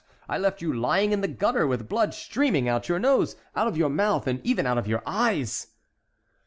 I left you lying in the gutter, with blood streaming out of your nose, out of your mouth, and even out of your eyes."